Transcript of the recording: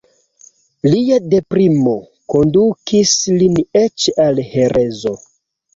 Lia deprimo kondukis lin eĉ al herezo.